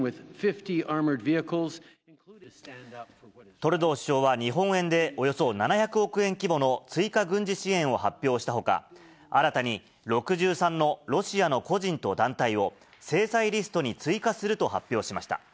トルドー首相は日本円でおよそ７００億円規模の追加軍事支援を発表したほか、新たに６３のロシアの個人と団体を制裁リストに追加すると発表しました。